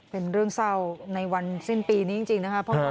เป็นเรื่องเศร้าในวันสิ้นปีนี้จริงนะครับ